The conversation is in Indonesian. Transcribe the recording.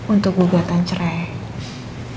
untuk gugatan cerai